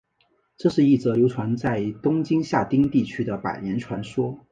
这是一则流传在东京下町地区的百年传说。